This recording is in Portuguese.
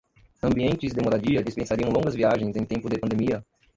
Ambientes de moradia dispensariam longas viagens em tempos de pandemia